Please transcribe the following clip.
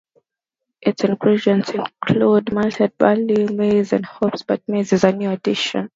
Its ingredients include malted barley, maize, and hops, but maize is a new addition.